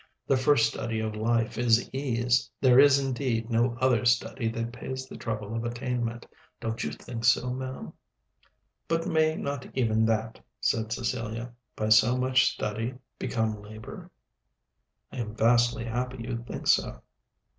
The first study of life is ease. There is indeed no other study that pays the trouble of attainment. Don't you think so, ma'am?" "But may not even that," said Cecilia, "by so much study become labor?" "I am vastly happy you think so."